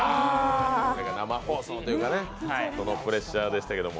これが生放送というかプレッシャーでしたけど。